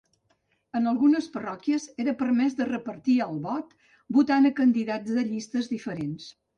En algunes parròquies era permès repartir el vot, votant a candidats de llistes diferents.